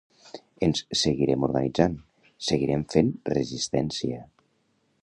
Ens seguirem organitzant, seguirem fent resistència.